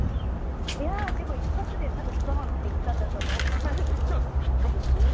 いや、でも一発でボン！といったんだと思います。